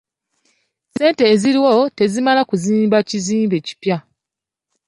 Ssente eziriwo tezimala kuzimba kizimbe kipya.